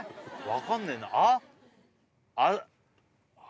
分かんねえな「あ」？